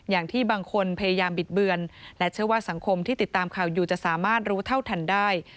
อย่างที่บางคนพยายามบิดเบือนและเชื่อว่าสังคมที่ติดตามข่าวอยู่จะสามารถรู้เท่าทันได้